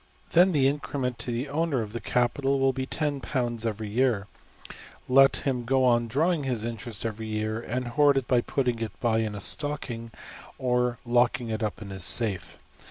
Then the increment to the owner of the capital will be £$10$ every year. Let him go on drawing his interest every year, and hoard it by putting it by in a \DPPageSep{147.png}% stocking, or locking it up in his safe.